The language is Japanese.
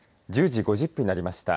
１０時５０分になりました。